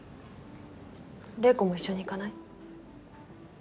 玲子も一緒に行かない？